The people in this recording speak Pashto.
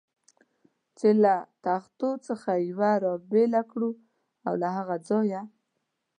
چې له تختو څخه یوه را بېله کړو او له هغه ځایه.